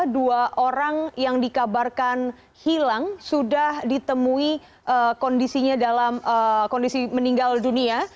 dua orang yang dikabarkan hilang sudah ditemui kondisinya dalam kondisi meninggal dunia